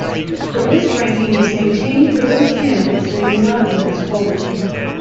The list ranking is maintained for those candidates that do not meet this quota.